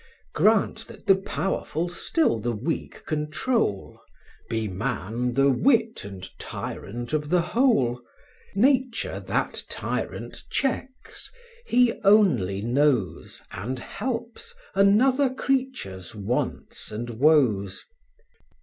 Grant that the powerful still the weak control; Be man the wit and tyrant of the whole: Nature that tyrant checks; he only knows, And helps, another creature's wants and woes.